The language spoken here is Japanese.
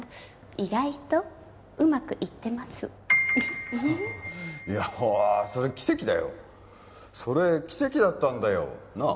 意外とうまくいってますウフフいやそれ奇跡だよそれ奇跡だったんだよなあ